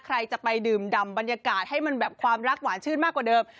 ใครจะไปดื่มดำบรรยากาศให้มันแบบความรักหวานชื่นมากกว่าเดิม